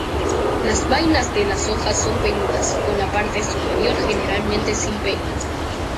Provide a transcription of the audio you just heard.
Las vainas de las hojas son peludas, con la parte superior generalmente sin pelo.